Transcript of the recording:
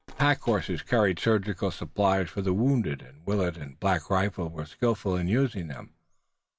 The pack horses carried surgical supplies for the wounded, and Willet and Black Rifle were skillful in using them.